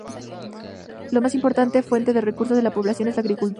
La más importante fuente de recursos de la población es la agricultura.